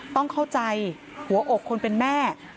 ต้องเข้าใจหัวอกคนเป็นแม่